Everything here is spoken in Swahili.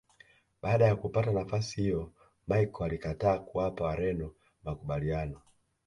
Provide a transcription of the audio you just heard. Baada ya kupata nafasi hiyo Machel alikataa kuwapa Wareno makubaliano